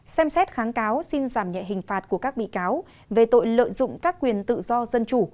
xem xét kháng cáo xin giảm nhẹ hình phạt của các bị cáo về tội lợi dụng các quyền tự do dân chủ